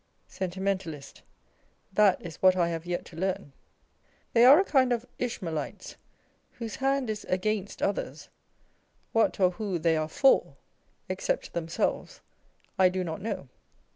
Sentimentalist. That is what I have yet to learn. They are a kind of Ishniaelites, whose hand is against others â€" what or who they are for (except themselves) I do not know.